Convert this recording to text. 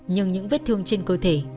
nhưng những vết thương trên cơ thể